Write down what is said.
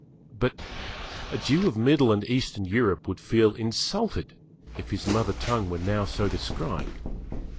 But a Jew of Middle and Eastern Europe would feel insulted if his mother tongue were now so described.